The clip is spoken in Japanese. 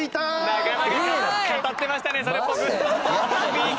なかなか語ってましたねそれっぽく。